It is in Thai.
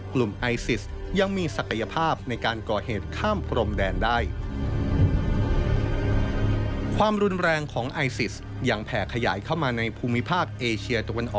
กลุ่มไอซิสยังมีศักยภาพในการก่อเหตุข้ามพรมแดนได้